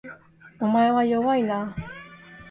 お前は弱いな